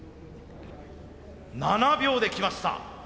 ７秒できました！